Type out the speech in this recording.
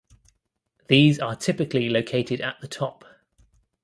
These are typically located at the top.